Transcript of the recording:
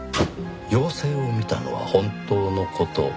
妖精を見たのは本当の事。